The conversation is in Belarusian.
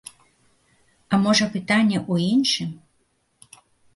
А можа, пытанне ў іншым?